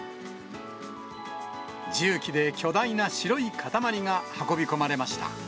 重機で巨大な白い塊が運び込まれました。